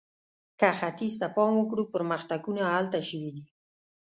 که ختیځ ته پام وکړو، پرمختګونه هلته شوي دي.